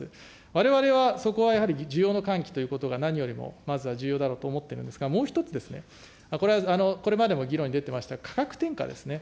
われわれは、そこはやはり、需要の喚起ということが何よりもまずは重要だろうと思ってるんですが、もう一つですね、これはこれまでも議論に出てました、価格転嫁ですね。